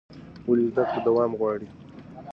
ولې زده کړه دوام غواړي؟